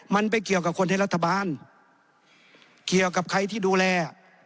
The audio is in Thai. มันไปเกี่ยวกับคนในรัฐบาลเกี่ยวกับใครที่ดูแล